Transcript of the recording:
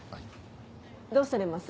どうされます？